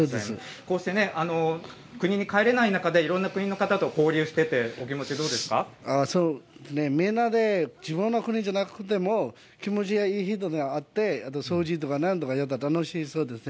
こうして国に帰れない中で、いろんな国の方と交流してて、お気持みんなで、自分の国じゃなくても、気持ちがいい人に会って、掃除とか、なんとかやって、楽しそうですね。